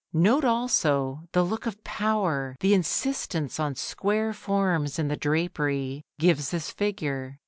Note also the look of power the insistence on square forms in the drapery gives this figure.